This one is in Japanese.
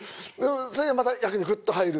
それでまた役にグッと入る。